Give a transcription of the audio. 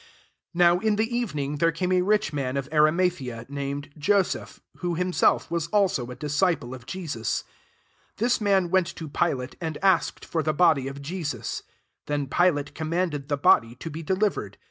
5r NOW in the evening, there came a rich man of Arimathea, named Joseph, who himself was also a disciple of Jesus. 58 This man went to Pilate, anfi asked for the body of Jesus. Then Pilate com manded the body to be deliver ed.